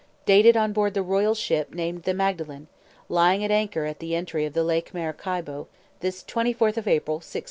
Dated on board the royal ship named the Magdalen, lying at anchor at the entry of the lake of Maracaibo, this 24th of April, 1669.